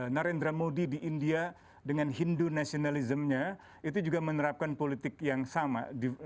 narendra modi di india dengan hindu nasionalismnya itu juga menerapkan politik yang sama